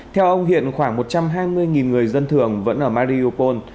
theo ông hiện khoảng một trăm hai mươi người dân thường vẫn ở madriopol